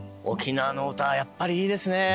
沖縄の唄はやっぱりいいですね。